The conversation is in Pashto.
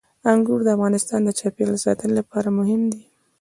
انګور د افغانستان د چاپیریال ساتنې لپاره مهم دي.